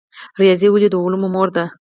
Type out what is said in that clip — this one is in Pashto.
ریاضي ولې د علومو مور ده؟